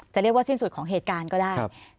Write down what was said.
เรียกว่าสิ้นสุดของเหตุการณ์ก็ได้